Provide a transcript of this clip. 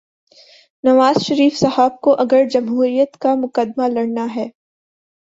نواز شریف صاحب کو اگر جمہوریت کا مقدمہ لڑنا ہے۔